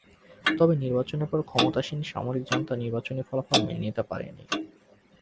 তবে নির্বাচনের পর ক্ষমতাসীন সামরিক জান্তা নির্বাচনী ফলাফল মেনে নিতে পারেনি।